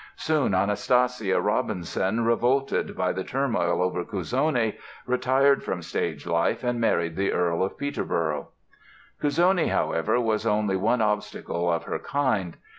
Soon Anastasia Robinson, revolted by the turmoil over Cuzzoni, retired from stage life and married the Earl of Peterborough. Cuzzoni, however, was only one obstacle of her kind.